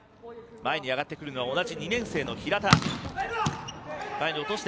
前に上がってくるのは２年生の平田。